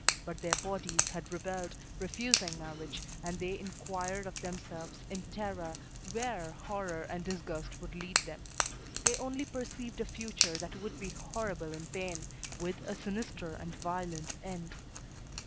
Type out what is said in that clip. But their bodies had rebelled, refusing marriage, and they inquired of themselves, in terror, where horror and disgust would lead them. They only perceived a future that would be horrible in pain, with a sinister and violent end.